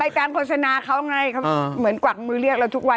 การโฆษณาเขาไงเขาเหมือนกวักมือเรียกเราทุกวัน